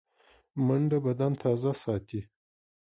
منډه بدن تازه ساتي